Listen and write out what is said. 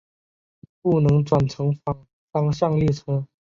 不能转乘反方向列车。